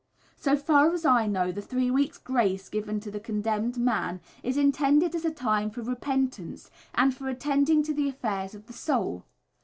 So far as I know, the three weeks' "grace" given to the condemned man is intended as a time for repentance and for attending to the affairs of the soul.